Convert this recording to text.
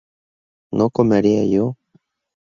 ¿no comería yo?